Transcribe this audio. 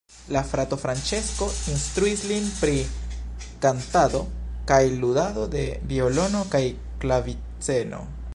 La frato Francesco instruis lin pri kantado kaj ludado de violono kaj klaviceno.